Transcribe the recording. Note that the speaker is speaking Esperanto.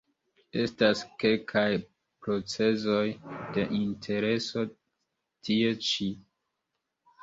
Estas kelkaj procezoj de intereso tie ĉi.